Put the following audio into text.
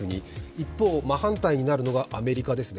一方、真反対になるのがアメリカですね。